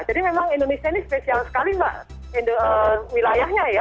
jadi memang indonesia ini spesial sekali mbak